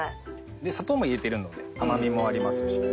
で砂糖も入れてるので甘みもありますし。